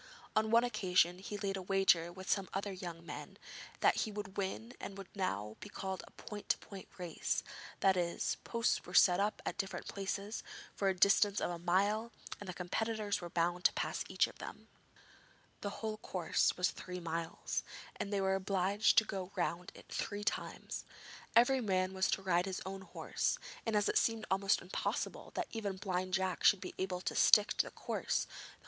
On one occasion he laid a wager with some other young men that he would win what would now be called a point to point race that is, posts were set up at different places for the distance of a mile, and the competitors were bound to pass each of them. The whole course was three miles, and they were obliged to go round it three times. Every man was to ride his own horse, and as it seemed almost impossible that even Blind Jack should be able to stick to the course, the odds were heavy against him.